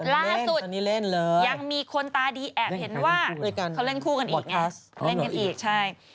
ล่าสุดยังมีคนตาดีแอบเห็นว่าเขาเล่นคู่กันอีกไงเล่นกันอีกใช่